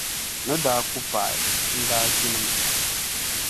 Ni daa ku paai, n'daa ʒini mi.